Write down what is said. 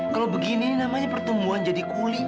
kalau begini namanya pertumbuhan jadi kuli pak